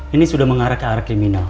ini sudah mengarah ke arah kriminal